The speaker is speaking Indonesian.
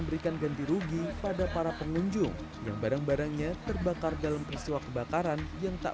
memberikan ganti rugi pada para pengunjung yang barang barangnya terbakar dalam peristiwa kebakaran yang tak